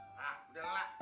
eh jangan dulu